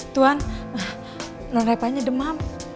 tuan non reva nya demam